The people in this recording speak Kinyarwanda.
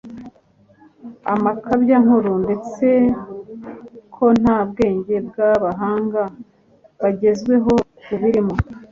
amakabyankuru ndetse ko nta bwenge bwabahanga bagezweho bubirimo